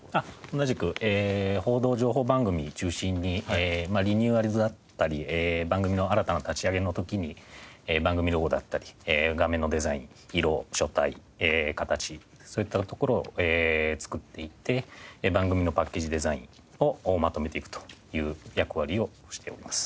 同じく報道情報番組中心にリニューアルだったり番組の新たな立ち上げの時に番組ロゴだったり画面のデザイン色書体形そういったところを作っていって番組のパッケージデザインをまとめていくという役割をしております。